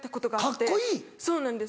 そうなんです